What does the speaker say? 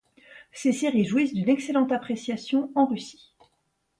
Ces séries jouissent d'une excellente appréciation en Russie.